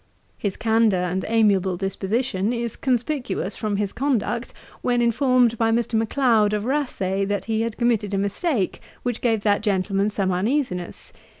His candour and amiable disposition is conspicuous from his conduct, when informed by Mr. Macleod, of Rasay, that he had committed a mistake, which gave that gentleman some uneasiness.